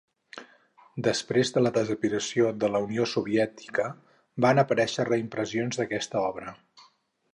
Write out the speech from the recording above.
Després de la desaparició de la Unió Soviètica van aparèixer reimpressions d'aquesta obra.